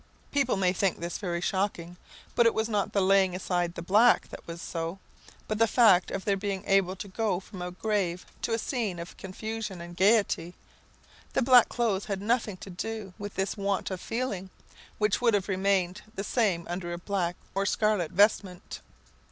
People may think this very shocking, but it was not the laying aside the black that was so, but the fact of their being able to go from a grave to a scene of confusion and gaiety. The black clothes had nothing to do with this want of feeling, which would have remained the same under a black or a scarlet vestment.